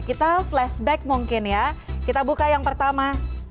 kita flashback mungkin ya kita buka yang pertama